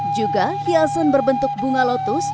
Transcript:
juga hiason berbentuk bunga lotus